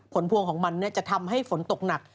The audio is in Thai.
ผลพวงของมันจะทำให้ฝนตกหนัก